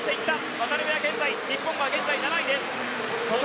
渡辺は日本は現在７位です。